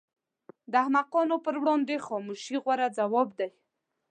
د احمقانو پر وړاندې خاموشي غوره ځواب دی.